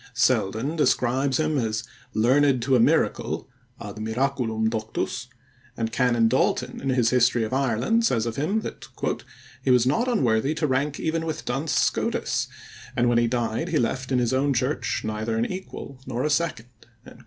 Selden describes him as "learned to a miracle" (ad miraculum doctus), and Canon D'Alton in his History of Ireland says of him that "he was not unworthy to rank even with Duns Scotus, and when he died he left in his own Church neither an equal nor a second."